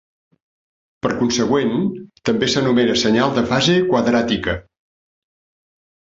Per consegüent, també s'anomena senyal de fase quadràtica.